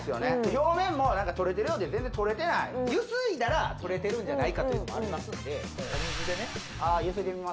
表面も何かとれてるようで全然取れてないゆすいだらとれてるんじゃないかというのもありますんでお水でねああゆすいでみます？